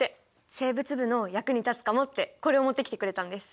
生物部の役に立つかもってこれをもってきてくれたんです。